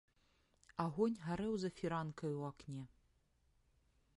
Агонь гарэў за фіранкаю ў акне.